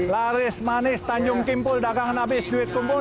laris manis tanjung kimpul dagang habis duit kumpul